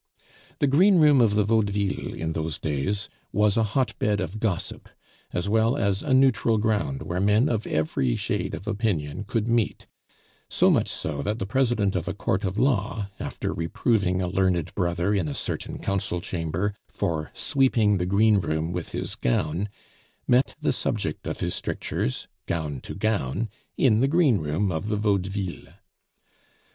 The greenroom of the Vaudeville in those days was a hotbed of gossip, as well as a neutral ground where men of every shade of opinion could meet; so much so that the President of a court of law, after reproving a learned brother in a certain council chamber for "sweeping the greenroom with his gown," met the subject of his strictures, gown to gown, in the greenroom of the Vaudeville.